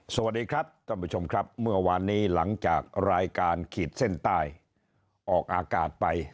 สวัสดีครับท่านผู้ชมครับเมื่อวานนี้หลังจากรายการขีดเส้นใต้ออกอากาศไป